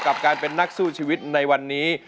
กับการเป็นนักสู้ชีวิตในวันนี้